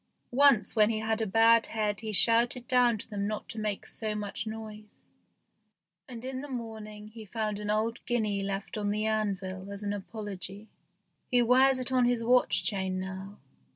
Once when he had a bad head he shouted down to them not to make so much noise, and in the morning he found an old guinea left on the anvil as an apology. He wears it on his watch chain now.